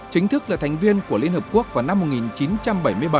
chính thức là thành viên của liên hợp quốc vào năm một nghìn chín trăm bảy mươi bảy